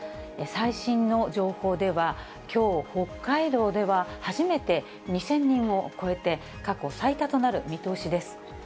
最新の情報ではきょう、北海道では初めて２０００人を超えて、過去最多となる見通しです。